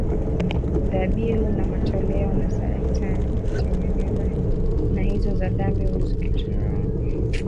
Dhabihu na matoleo na sadaka za kuteketezwa na hizo za dhambi hukuzitaka wala hukupendezwa